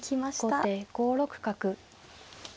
後手５六角。